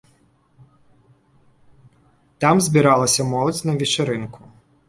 Там збіралася моладзь на вечарынку.